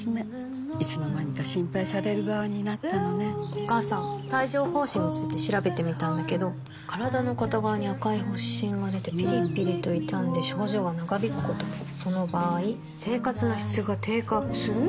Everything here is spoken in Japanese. お母さん帯状疱疹について調べてみたんだけど身体の片側に赤い発疹がでてピリピリと痛んで症状が長引くこともその場合生活の質が低下する？